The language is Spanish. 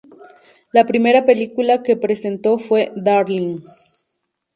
La primera película que presentó fue Darling.